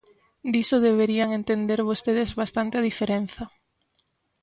Diso deberían entender vostedes bastante a diferenza.